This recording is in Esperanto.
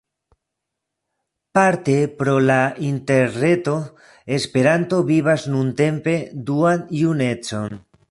Parte pro la Interreto, Esperanto vivas nuntempe duan junecon.